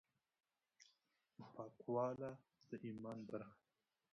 پاکواله د ایمان برخه ده.